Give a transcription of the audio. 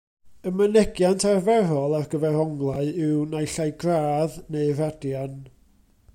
Y mynegiant arferol ar gyfer onglau yw naill ai gradd neu radian.